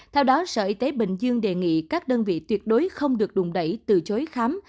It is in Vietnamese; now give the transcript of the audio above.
theo đó sở y tế bình dương đề nghị các đơn vị tuyệt đối không được đùn đẩy từ chối khám